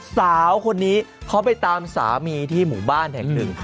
สาวคนนี้เขาไปตามสามีที่หมู่บ้านแห่งหนึ่ง